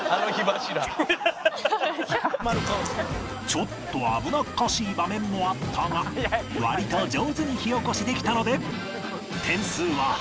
ちょっと危なっかしい場面もあったが割と上手に火おこしできたので